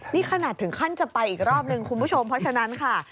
นี่ขนาดถึงขั้นจะไปอีกรอบนึงคุณผู้ชมเพราะฉะนั้นค่ะ